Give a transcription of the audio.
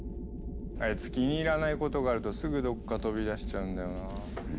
あいつ気に入らないことがあるとすぐどっか飛び出しちゃうんだよな。